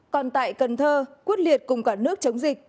còn tại cần thơ quyết liệt cùng cả nước chống dịch